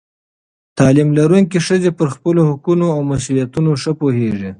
تعلیم لرونکې ښځې پر خپلو حقونو او مسؤلیتونو ښه پوهېږي.